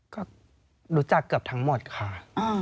ก็รู้จักเกือบทั้งหมดค่ะ